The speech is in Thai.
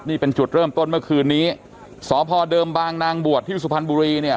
นี่เป็นจุดเริ่มต้นเมื่อคืนนี้สพเดิมบางนางบวชที่สุพรรณบุรีเนี่ย